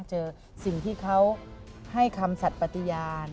เจอสิ่งที่เขาให้คำสัตว์ปฏิญาณ